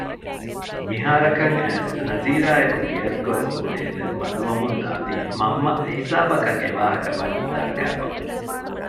މިހާރަކަށް އައިސް ނަޒީރާއެކު ގެއަށްގޮސް އުޅޭލެއް މަދުވަމުންދާތީ މަންމަ ހިސާބަކަށް އެވާހަކަ ވަނީ ދައްކައިފަ